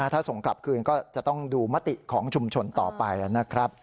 ถ้าส่งกลับคืนก็จะต้องดูมติของชุมชนต่อไปนะครับ